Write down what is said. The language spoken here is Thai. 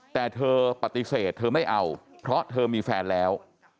แต่เธอปฏิเสธเธอไม่เอาเพราะเธอมีแฟนแล้ว